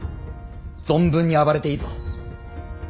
存分に暴れていいぞ。